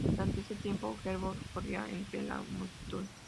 Durante ese tiempo Geldof corría entre la multitud.